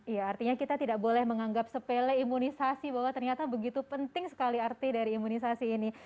iya artinya kita tidak boleh menganggap sepele imunisasi bahwa ternyata begitu penting sekali arti dari imunisasi ini